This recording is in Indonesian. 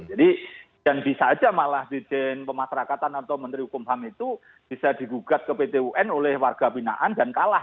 jadi dan bisa aja malah dijen pemasyarakatan atau menteri hukum ham itu bisa digugat ke pt un oleh warga pinaan dan kalah